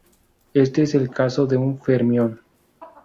Este es el caso de un fermión.